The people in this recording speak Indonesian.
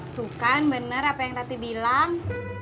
itu kan bener apa yang tati bilang